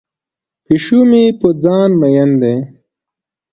پیشو مې په ځان مین دی.